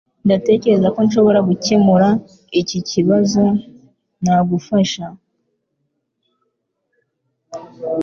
Ndatekereza ko nshobora gukemura iki kibazo ntagufasha.